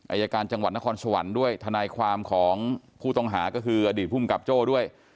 อายการจังหวัดนครสวรรค์ด้วยทนายความของผู้ต้องหาก็คืออดีตภูมิกับโจ้ด้วย